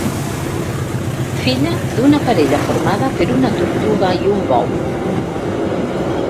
Filla d'una parella formada per una tortuga i un bou.